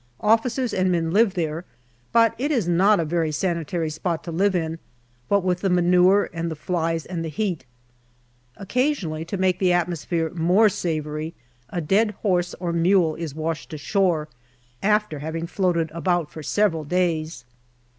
Officers and men live there, but it is not a very sanitary spot to live in, what with the manure and the flies and the heat. Occasionally, to make the atmosphere more savoury, a dead horse or mule is washed ashore, after having floated about for several days.